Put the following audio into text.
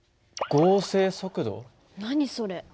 何それ？